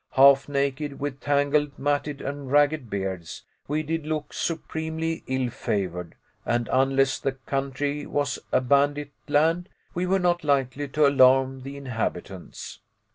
Half naked, with tangled, matted and ragged beards, we did look supremely ill favored; and unless the country was a bandit land, we were not likely to alarm the inhabitants!